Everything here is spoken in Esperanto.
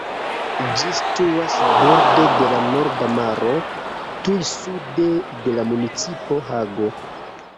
Ĝi situas borde de la Norda Maro, tuj sude de la municipo Hago.